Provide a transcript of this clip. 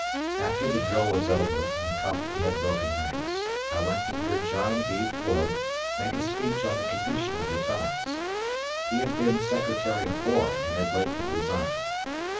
After the drill was over and the company had broken ranks, I went to hear John B. Floyd make a speech on the condition of the times. He had been Secretary of War and had lately resigned.